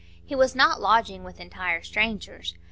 He was not lodging with entire strangers.